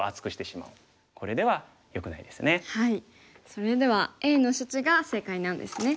それではＡの処置が正解なんですね。